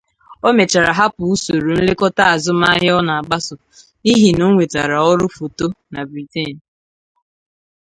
Ọ mechara hapụ usoro nlekọta azụmaahịa ọ na-agbaso, n'ihi ọ nwetara ọrụ foto na Britain.